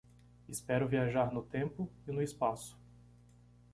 Espero viajar no tempo e no espaço